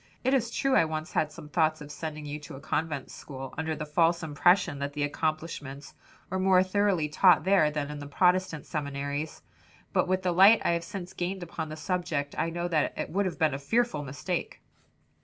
It is true I once had some thoughts of sending you to a convent school, under the false impression that the accomplishments were more thoroughly taught there than in the Protestant seminaries; but with the light I have since gained upon the subject, I know that it would have been a fearful mistake."